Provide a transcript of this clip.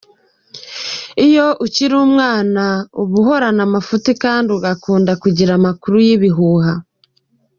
Iyo akiri umwana aba ahorana amafuti kandi agakunda kugira amakuru y’ibihuha.